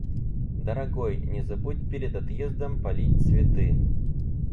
Дорогой, не забудь перед отъездом полить цветы.